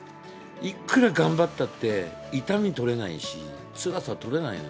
いくら頑張ったって、痛み取れないし、つらさ取れない。